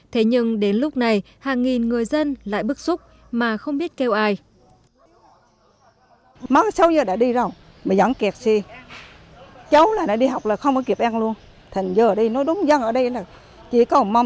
thế nhưng đến lúc này hàng nghìn người dân lại bức xúc mà không biết kêu ai